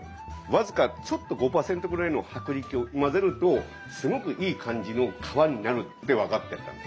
僅かちょっと５％ぐらいの薄力を混ぜるとすごくいい感じの皮になるって分かってったんです。